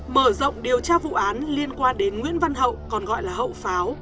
mở rộng điều tra vụ án liên quan đến nguyễn văn hậu còn gọi là hậu pháo